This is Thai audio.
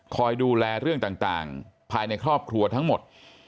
คอยดูแลเรื่องต่างภายในครอบครัวทั้งหมด